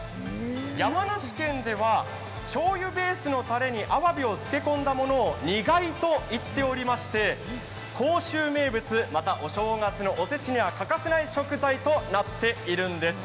山梨県ではしょうゆベースのたれにあわびをつけ込んだものを煮貝と言っておりまして、甲州名物またお正月には欠かせない食材となっているんです。